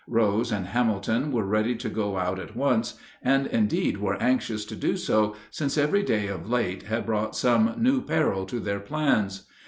Rose and Hamilton were ready to go out at once, and indeed were anxious to do so, since every day of late had brought some new peril to their plans.